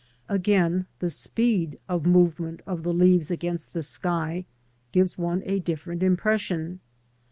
Again, the speed of movement of the leaves against the sky gives one a different impression.